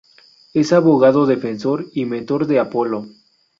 Es abogado defensor y mentor de "Apollo".